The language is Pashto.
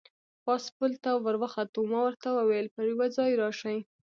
پاس پل ته ور وخوتو، ما ورته وویل: پر یوه ځای راشئ.